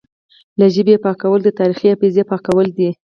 له ژبې یې پاکول د تاریخي حافظې پاکول دي